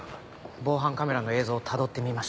防犯カメラの映像をたどってみます。